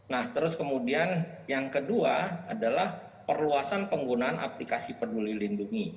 nah terus kemudian yang kedua adalah perluasan penggunaan aplikasi peduli lindungi